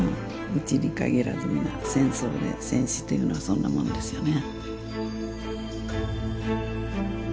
うちに限らず皆戦争で戦死というのはそんなもんですよね。